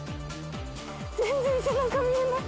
全然背中見えない